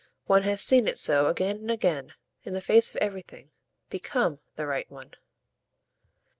One has seen it so again and again, in the face of everything, BECOME the right one."